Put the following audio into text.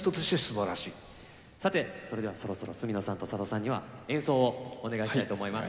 さてそれではそろそろ角野さんと佐渡さんには演奏をお願いしたいと思います。